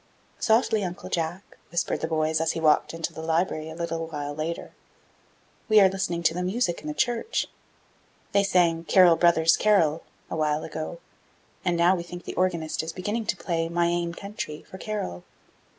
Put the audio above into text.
"Softly, Uncle Jack," whispered the boys, as he walked into the library a little while later; "We are listening to the music in the church. They sang 'Carol, brothers, carol,' a while ago, and now we think the organist is beginning to play 'My ain countree' for Carol."